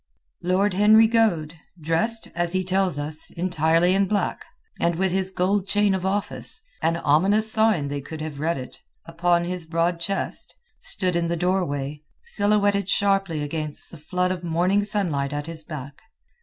Lord Henry Goade, dressed—as he tells us—entirely in black, and with his gold chain of office—an ominous sign could they have read it—upon his broad chest, stood in the doorway, silhouetted sharply against the flood of morning sunlight at his back.